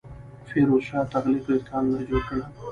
فیروز شاه تغلق ډیر کانالونه جوړ کړل.